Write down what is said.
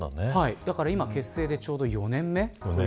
だから今結成でちょうど４年目。